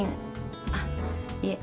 あっいえ